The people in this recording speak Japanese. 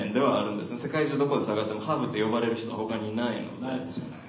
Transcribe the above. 世界中どこ探しても「ハーフ」って呼ばれる人は他にいないので。